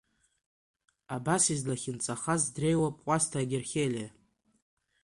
Абас излахьынҵахаз дреиуоуп Кәасҭа Герхелиа.